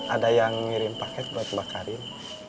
ada yang ngirim paket buat mbak karim